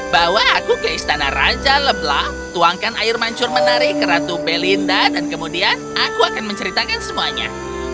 bawa aku ke istana raja leblah tuangkan air mancur menari ke ratu belinda dan kemudian aku akan menceritakan semuanya